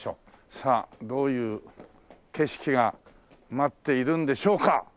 さあどういう景色が待っているんでしょうか？